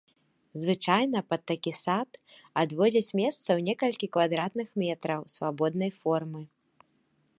Звычайна пад такі сад адводзяць месца ў некалькі квадратных метраў свабоднай формы.